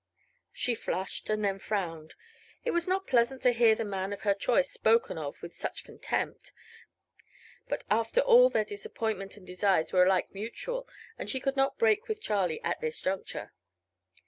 She flushed, and then frowned. It was not pleasant to hear the man of her choice spoken of with such contempt, but after all their disappointment and desires were alike mutual and she could not break with Charlie at this juncture.